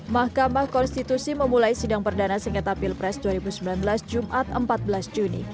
mahkamah konstitusi memulai sidang perdana sengketa pilpres dua ribu sembilan belas jumat empat belas juni